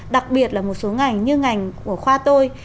đặc biệt là một số ngành như ngành của khoa tôi